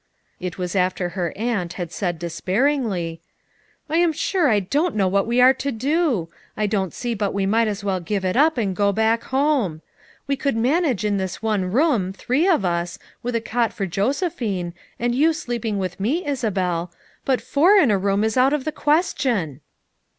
It was after her aunt had said despair ingly, "I am sure I don't know what we are to do; I don't see but we might as well give it up and go back home. We could manage in this one room, three of us, with a cot for Josephine, and you sleeping with me, Isabel, but four in a room is out of the question."